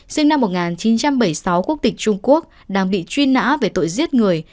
sinh năm một nghìn chín trăm bảy mươi sáu quốc tịch trung quốc đang bị truy nã về tội giết người